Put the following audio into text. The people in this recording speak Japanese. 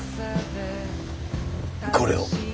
これを。